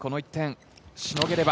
しのげれば。